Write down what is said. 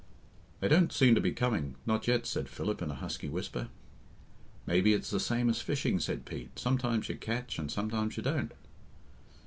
"They don't seem to be coming not yet," said Philip, in a husky whisper. "Maybe it's the same as fishing," said Pete; "sometimes you catch and sometimes you don't."